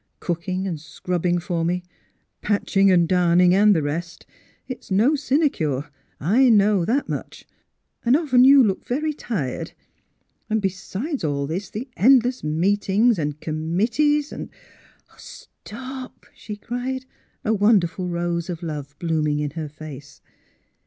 '' Cooking and scrubbing for me, patching and darning and the rest; it's no sinecure. I know that much, and often you look very tired. And besides all this, the endless meet ings and committees and "" Stop! " she cried, a wonderful rose of love blooming in her face.